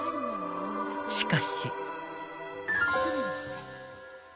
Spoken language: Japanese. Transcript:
［しかし］